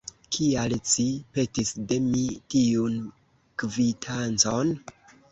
Kial ci petis de mi tiun kvitancon?